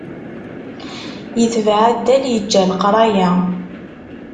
Itbeε addal, iǧǧa leqraya.